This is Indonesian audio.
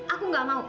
aku tidak mau